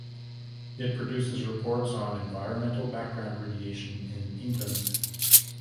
It produces reports on environmental background radiation in England.